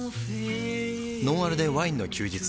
「ノンアルでワインの休日」